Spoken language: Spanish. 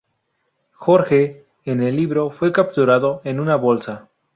Jorge, en el libro, fue capturado en una bolsa.